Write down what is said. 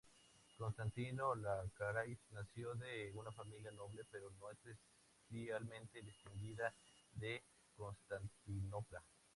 Constantino Láscaris nació de una familia noble pero no especialmente distinguida, de Constantinopla.